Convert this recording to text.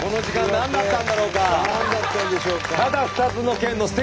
何だったんでしょうか？